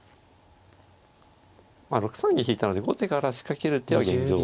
まあ６三に引いたので後手から仕掛ける手は現状は。